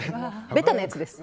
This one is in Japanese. ベタなやつです。